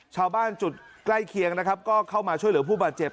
ชาวบ้านจุดใกล้เคียงนะครับก็เข้ามาช่วยเหลือผู้บาดเจ็บ